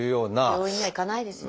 病院には行かないですよね。